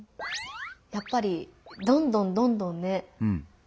やっぱりどんどんどんどんね